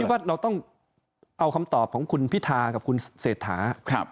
ว่าเราต้องเอาคำตอบของคุณพิธากับคุณเศรษฐา